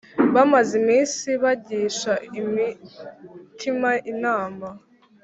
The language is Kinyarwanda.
Bamaze iminsi bagisha imitima inama